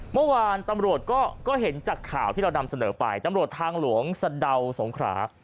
เมื่อวานตำรวจก็เห็นจากข่าวที่เรานำเสนอไปตำรวจทางหลวงสะเดาสงขรา